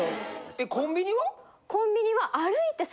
えコンビニは？